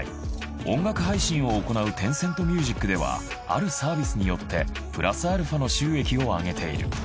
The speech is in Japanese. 音楽配信を行うテンセントミュージックではあるサービスによってプラスアルファの収益をあげている。